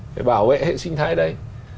phải bảo vệ hệ sinh thái đấy